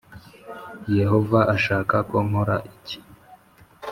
Yehova ashaka ko nkora iki